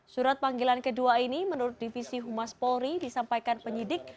surat panggilan kedua ini menurut divisi humas polri disampaikan penyidik